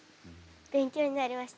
勉強になりました。